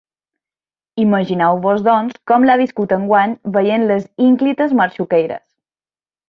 Imagineu-vos doncs com l’ha viscut enguany veient les ínclites Marxuqueiras.